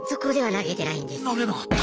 投げなかった？